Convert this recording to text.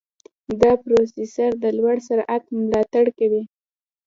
دا پروسېسر د لوړ سرعت ملاتړ کوي.